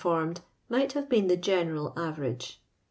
formod, might have been tlie general average.